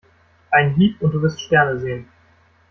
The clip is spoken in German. Ein Hieb und du wirst Sterne sehen.